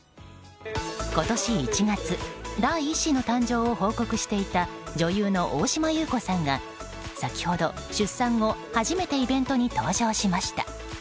今年１月第１子の誕生を報告していた女優の大島優子さんが先ほど出産後初めてイベントに登場しました。